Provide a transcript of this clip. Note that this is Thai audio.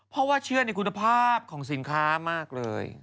เพราะว่าเชื่อในคุณภาพของสินค้ามากเลย